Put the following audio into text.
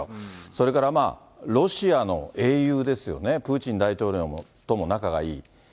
それからロシアの英雄ですよね、プーチン大統領とも仲がいい。